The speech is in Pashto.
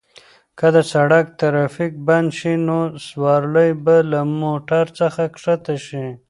که د سړک ترافیک بند شي نو سوارلۍ به له موټر څخه کښته شي.